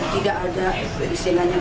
tidak luput dari ketahanan